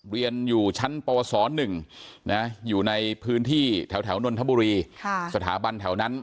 เรียนอยู่ชั้นปวส๑อยู่ในพื้นที่แถวนนทบุรีสถาบันแถวนั้น